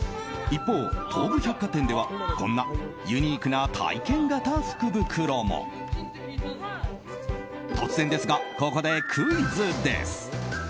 一方、東武百貨店ではこんなユニークな体験型福袋も。突然ですが、ここでクイズです。